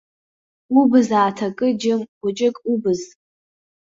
Убз ааҭакы, џьым, хәыҷык, убз!